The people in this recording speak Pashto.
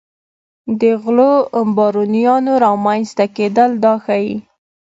د غلو بارونیانو رامنځته کېدل دا ښيي.